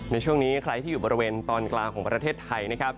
ในช่วงนี้ใครที่อยู่บริเวณตอนกลางของประเทศไทยนะครับ